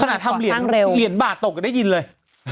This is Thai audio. ขนาดทำเหรียญบาทตกก็ได้ยินเลย